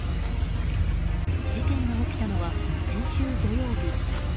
事件が起きたのは、先週土曜日。